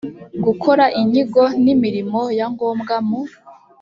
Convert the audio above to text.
gukora inyigo n imirimo ya ngombwa mu